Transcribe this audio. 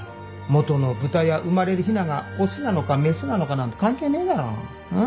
元の豚や生まれるヒナがオスなのかメスなのかなんて関係ねえだろう。